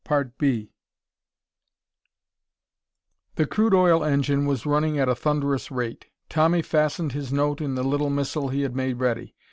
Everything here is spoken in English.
The crude oil engine was running at a thunderous rate. Tommy fastened his note in the little missile he had made ready.